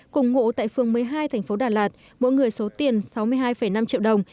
cùng ngũ tại phương một mươi hai tp đà lạt mỗi người số tiền sáu mươi hai năm triệu đồng